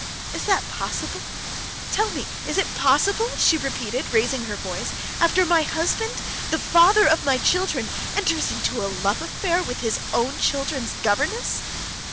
Is that possible? Tell me, eh, is it possible?" she repeated, raising her voice, "after my husband, the father of my children, enters into a love affair with his own children's governess?"